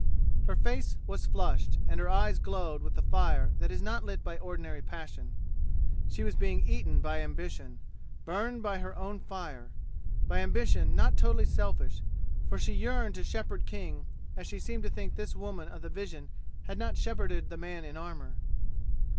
Her face was flushed, and her eyes glowed with the fire that is not lit by ordinary passion. She was being eaten by ambition burned by her own fire by ambition not totally selfish, for she yearned to shepherd King as she seemed to think this woman of the vision had not shepherded the man in armor.